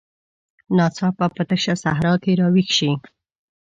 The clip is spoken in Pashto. ناڅاپه په تشه صحرا کې راویښ شي.